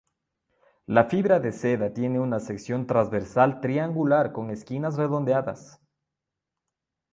La fibra de seda tiene una sección transversal triangular con esquinas redondeadas.